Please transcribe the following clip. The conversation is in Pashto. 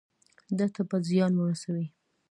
ده ته به زیان ورسوي.